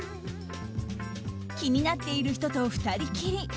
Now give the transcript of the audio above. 気になっている人と２人きり。